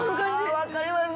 わかります？